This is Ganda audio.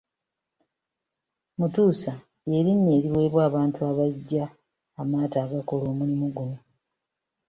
Mutuusa ly’erinnya eriweebwa obantu abajja amaato agakola omulimu guno.